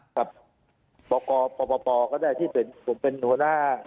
กับบกปปก็ได้ที่ผมเป็นหัวหน้า